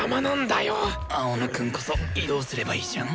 青野くんこそ移動すればいいじゃん。